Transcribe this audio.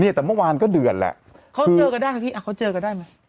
แต่เมื่อวานก็เดือดแหละเขาเจอกันได้นะพี่อ่ะเขาเจอกันได้ไหม